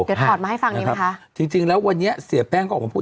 เดี๋ยวถอดมาให้ฟังดีไหมคะจริงจริงแล้ววันนี้เสียแป้งก็ออกมาพูด